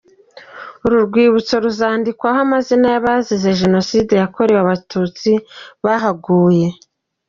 Uru Rwibutso ruzandikwaho amazina y’Abazize Jenoside yakorewe Abatutsi bahaguye.